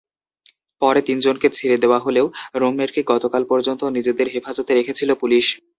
পরে তিনজনকে ছেড়ে দেওয়া হলেও রুমমেটকে গতকাল পর্যন্ত নিজেদের হেফাজতে রেখেছিল পুলিশ।